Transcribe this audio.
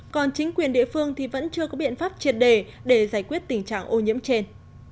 còn chính quyền địa phương thì vẫn chưa có biện pháp triệt đề để giải quyết tình trạng ô nhiễm trên